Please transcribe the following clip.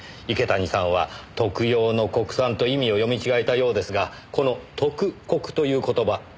池谷さんは「徳用の国産」と意味を読み違えたようですがこの「徳国」という言葉